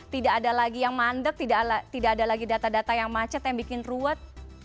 tidak ada lagi yang mandek tidak ada lagi data data yang macet yang bikin ruwet